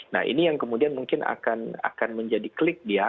nah ini yang kemudian mungkin akan menjadi klik dia